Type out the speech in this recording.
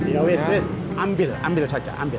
ya whis wis ambil ambil saja ambil